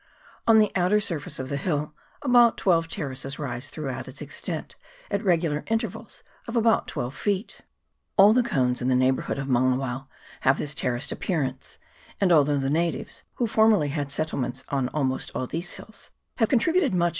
On the outer surface of fche Jirll about twelve terraces rise throughout its extent, at regular intervals of about twelve feet. All the cones in the neighbourhood of Maunga wao have this terraced appearance ; and although the natives, who formerly had settlements on almost all these hills, have contributed much to CHAP.